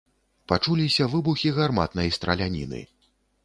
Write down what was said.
Пачуліся выбухі гарматнай страляніны.